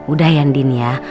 udah ya din ya